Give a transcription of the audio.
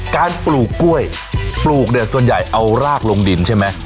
ปลูกกล้วยปลูกเนี่ยส่วนใหญ่เอารากลงดินใช่ไหม